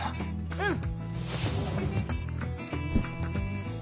うん。